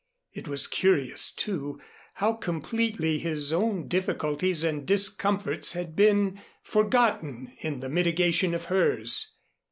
It was curious, too, how completely his own difficulties and discomforts had been forgotten in the mitigation of hers.